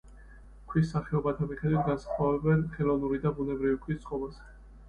ქვის სახეობათა მიხედვით განასხვავებენ ხელოვნური და ბუნებრივი ქვის წყობას.